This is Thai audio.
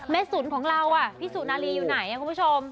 แม่ศูนย์ของเราพี่ศูนาลีอยู่ไหนคุณผู้ชม